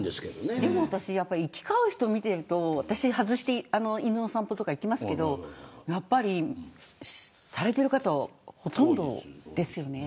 でも、行き交う人を見ていると私、外して犬の散歩とか行きますけどされている方ほとんどですよね。